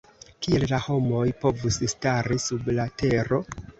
Kiel la homoj povus stari sub la tero?